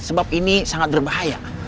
sebab ini sangat berbahaya